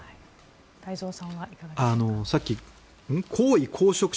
太蔵さんはいかがでしょう。